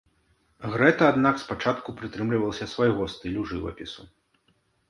Грэта, аднак, спачатку прытрымлівалася свайго стылю жывапісу.